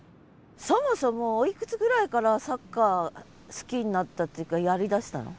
そもそもおいくつぐらいからサッカー好きになったっていうかやりだしたの？